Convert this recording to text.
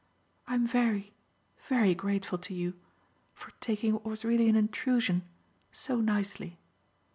I am very, very grateful to you for taking what was really an intrusion so nicely."